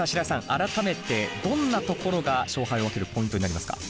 改めてどんなところが勝敗を分けるポイントになりますか？